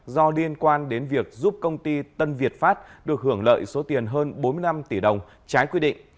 do liên quan đến việc giúp công ty tân việt pháp được hưởng lợi số tiền hơn bốn mươi năm tỷ đồng trái quy định